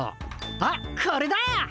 あっこれだ。